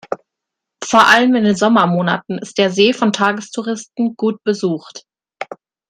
Vor allem in den Sommermonaten ist der See von Tagestouristen gut besucht.